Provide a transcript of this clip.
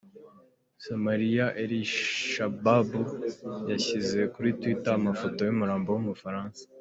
Somaliya eri Shababu yashyize kuri twitter amafoto y’umurambo w’Umufarasansa